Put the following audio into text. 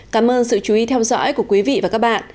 cảm ơn sự chú ý theo dõi của quý vị và các bạn